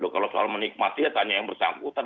kalau soal menikmati ya tanya yang bersangkutan